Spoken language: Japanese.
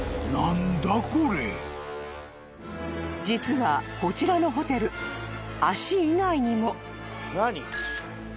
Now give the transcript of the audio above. ［実はこちらのホテル足以外にも］